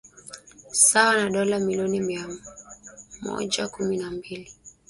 sawa na dola milioni mia mmoja kumi na mbili